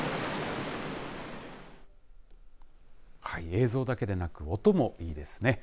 映像だけでなく音もいいですね。